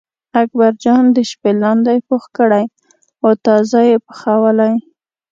اکبرجان د شپې لاندی پوخ کړی و تازه یې پخولی.